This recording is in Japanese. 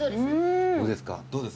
どうです？